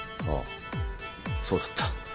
あっそうだった。